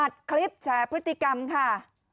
อัดคลิปแฉพฤติกรรมค่ะ